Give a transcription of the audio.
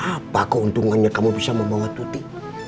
apa keuntungannya kamu bisa membawa tuti